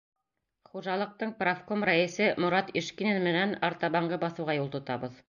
Хужалыҡтың профком рәйесе Морат Ишкинин менән артабанғы баҫыуға юл тотабыҙ.